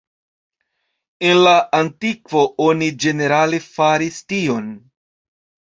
En la antikvo oni ĝenerale faris tion.